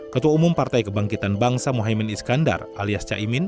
ketua umum partai kebangkitan bangsa mohaimin iskandar alias caimin